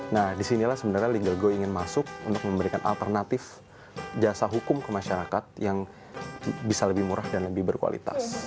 nah disinilah sebenarnya legal go ingin masuk untuk memberikan alternatif jasa hukum ke masyarakat yang bisa lebih murah dan lebih berkualitas